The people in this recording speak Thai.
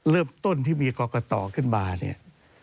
เริ่มต้นที่มีกรกฎตอขึ้นมาเนี่ย